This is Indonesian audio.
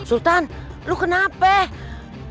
sultan lu kenapa